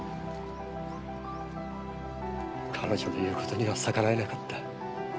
彼女の言う事には逆らえなかった。